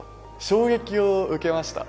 衝撃を受けました。